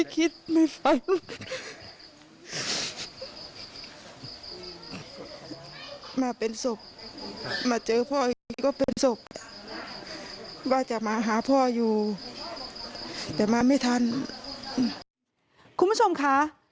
คุณผู้ชมคะ